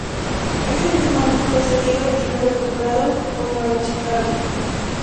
Ese mismo año fue cedido y luego comprado por Nueva Chicago.